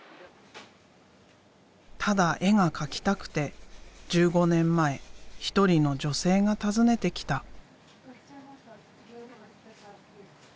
ただ絵が描きたくて１５年前一人の女性が訪ねてきた。